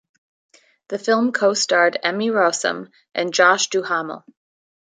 The film co-starred Emmy Rossum and Josh Duhamel.